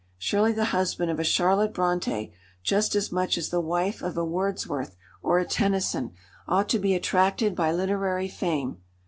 Surely the husband of a Charlotte Brontë, just as much as the wife of a Wordsworth or a Tennyson, ought to be attracted by literary fame.